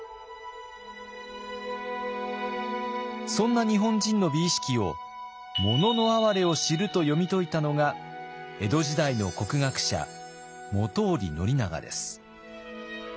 そんな日本人の美意識を「“もののあはれ”を知る」と読み解いたのが江戸時代の国学者本居宣長です。